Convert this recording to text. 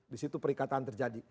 di situ perikatan terjadi